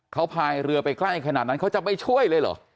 เขาพายเรือไปใกล้ขนาดนั้นเขาจะไม่ช่วยเลยเหรอ